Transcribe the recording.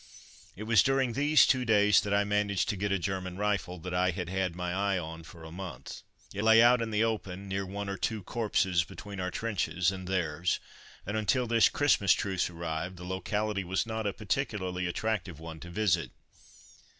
It was during these two days that I managed to get a German rifle that I had had my eye on for a month. It lay out in the open, near one or two corpses between our trenches and theirs, and until this Christmas truce arrived, the locality was not a particularly attractive one to visit.